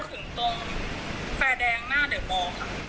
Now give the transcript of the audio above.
ถึงตรงไฟแดงหน้าเดอร์บอลค่ะ